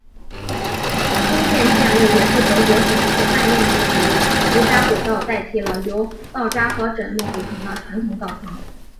新建线路也是德国首次大面积使用无砟轨道替代了由道砟和枕木组成的传统道床。